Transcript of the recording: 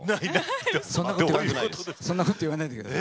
そんなこと言わないでください。